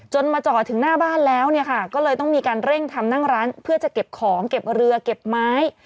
มาจอดถึงหน้าบ้านแล้วเนี่ยค่ะก็เลยต้องมีการเร่งทำนั่งร้านเพื่อจะเก็บของเก็บเรือเก็บไม้